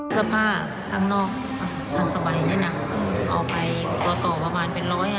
สภาพทางนอกทัศน์สบายนี่หนังเอาไปตัวต่อประมาณเป็นร้อย